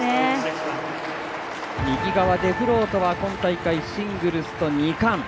デフロートは今大会シングルスと２冠。